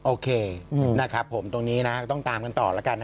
โอเคทุกคนต้องตามกันต่อ